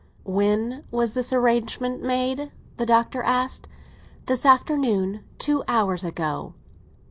"When was this arrangement made?" the Doctor asked. "This afternoon—two hours ago."